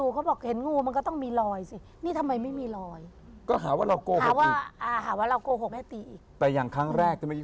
ครองงาโง่นูตัวใหญ่